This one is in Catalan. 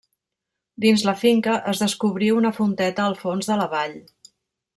Dins la finca es descobrí una fonteta al fons de la vall.